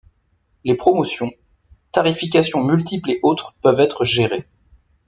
Les promotions, tarifications multiples et autres peuvent être gérées.